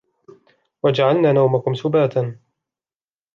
وجعلنا نومكم سباتا